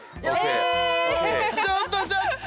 ちょっとちょっと！